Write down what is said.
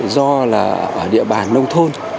do là ở địa bàn nông thôn